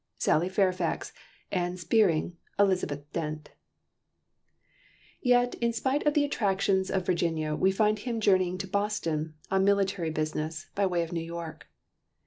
"SALLY FAIRFAX ANN SPEARING ELIZ'TH DENT" Yet, in spite of the attractions of Virginia we find him journeying to Boston, on military business, by way of New York.